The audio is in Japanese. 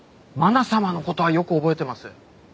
まな様のことはよく覚えてます。